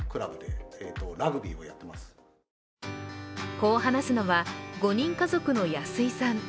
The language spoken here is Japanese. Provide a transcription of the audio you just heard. こう話すのは、５人家族の安井さん。